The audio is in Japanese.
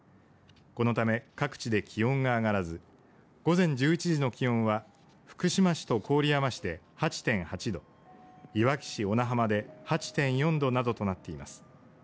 このため各地で気温が上がらず午前１１時の気温は福島市と郡山市で８．８度いわき市小名浜で８．４度などとなっています。